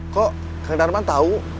kok keng darman tau